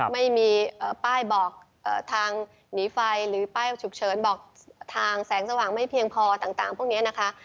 ไม่มีป้ายบอกทางหนีไฟหรือป้ายฉุกเฉินบอกทางแสงสว่างไม่เพียงพอต่างพวกนี้นะคะ